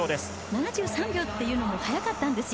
７３秒というのも速かったんですよ。